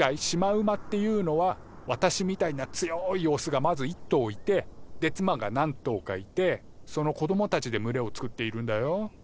シマウマっていうのは私みたいな強いオスがまず一頭いてで妻が何頭かいてその子どもたちで群れを作っているんだよ。